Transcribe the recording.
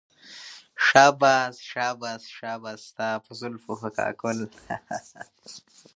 شاباش شاباش شاباش ستا په زلفو په كاكل